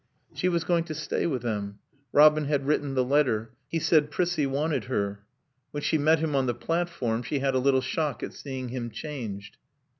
She was going to stay with them. Robin had written the letter. He said Prissie wanted her. When she met him on the platform she had a little shock at seeing him changed.